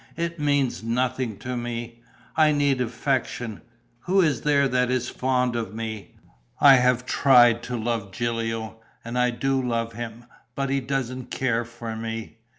"It means nothing to me. I need affection. Who is there that is fond of me? I have tried to love Gilio and I do love him, but he doesn't care for me.